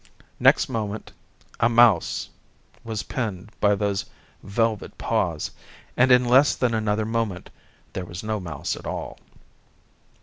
Next moment a mouse was pinned by those velvet paws, and in less than another moment their was no mouse at all.